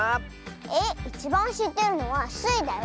えっいちばんしってるのはスイだよ。